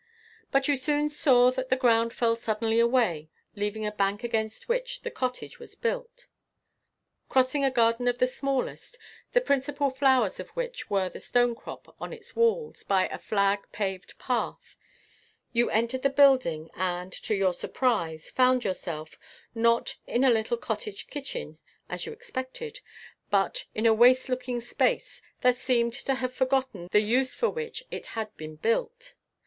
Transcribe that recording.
But you soon saw that the ground fell suddenly away, leaving a bank against which the cottage was built. Crossing a garden of the smallest, the principal flowers of which were the stonecrop on its walls, by a flag paved path, you entered the building, and, to your surprise, found yourself, not in a little cottage kitchen, as you expected, but in a waste looking space, that seemed to have forgotten the use for which it had been built.